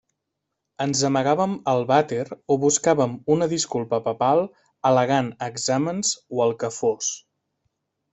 Ens amagàvem al vàter o buscàvem una disculpa papal al·legant exàmens o el que fos.